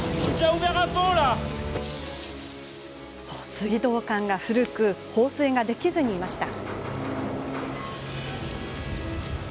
水道管が古く放水ができずにいました。